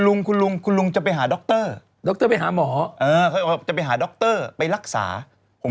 วันรุ่งขึ้นอีกวัน